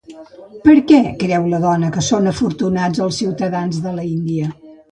Per què creu la dona que són afortunats els ciutadans de l'Índia?